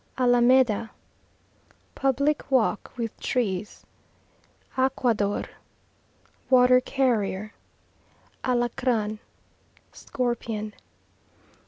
Alameda Public walk with trees. Aquador Water carrier. Alacran Scorpion.